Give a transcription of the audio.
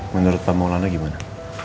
menurut pak maulana gimana